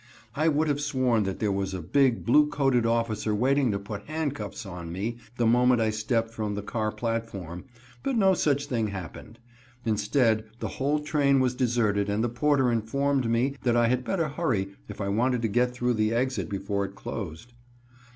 I would have sworn that there was a big, blue coated officer waiting to put handcuffs on me the moment I stepped from the car platform, but no such thing happened. Instead the whole train was deserted and the porter informed me that I had better hurry, if I wanted to get through the exit before it closed.